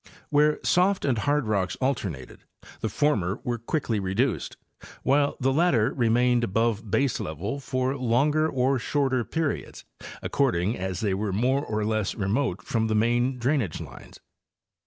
Where soft and hard rocks alternated, the former were quickly reduced, while the latter re mained above baselevel for longer or shorter periods, according as they were more or less remote from the main drainage lines.